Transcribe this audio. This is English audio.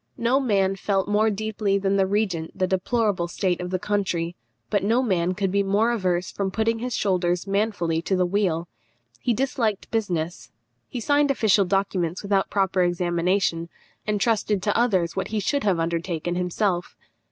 No man felt more deeply than the regent the deplorable state of the country, but no man could be more averse from putting his shoulders manfully to the wheel. He disliked business; he signed official documents without proper examination, and trusted to others what he should have undertaken himself.